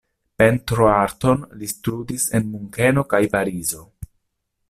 Pentroarton li studis en Munkeno kaj Parizo.